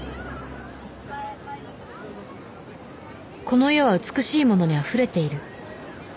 この世は美しいものにあふれている。